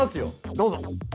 どうぞ。